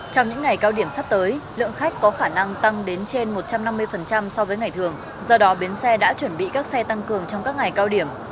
trong những ngày cao điểm sắp tới lượng khách có khả năng tăng đến trên một trăm năm mươi so với ngày thường do đó bến xe đã chuẩn bị các xe tăng cường trong các ngày cao điểm